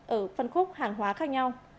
ở phân khúc hàng hóa khác nhau